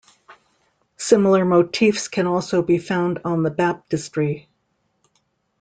Similar motifs can also be found on the baptistery.